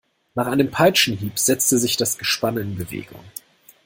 Nach einem Peitschenhieb setzte sich das Gespann in Bewegung.